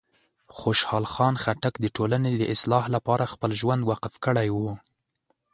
خوشحال خان خټک د ټولنې د اصلاح لپاره خپل ژوند وقف کړی و.